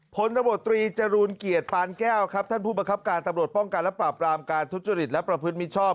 พลตำรวจตรีจรูลเกียรติปานแก้วครับท่านผู้ประคับการตำรวจป้องกันและปราบรามการทุจริตและประพฤติมิชชอบ